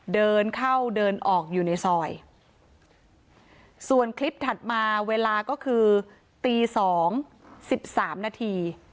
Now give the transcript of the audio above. เดินเข้าเดินออกอยู่ในซอยส่วนคลิปถัดมาเวลาก็คือตีสองสิบสามนาที